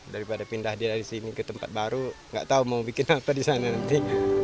daripada pindah dia dari sini ke tempat baru nggak tahu mau bikin apa di sana nanti